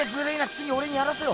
つぎ俺にやらせろ。